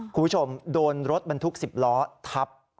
คุณผู้ชมโดนรถบรรทุก๑๐ล้อทับ